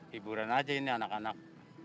hiburan aja ini anak anak